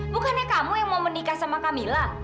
bukannya kamu yang mau menikah sama kamila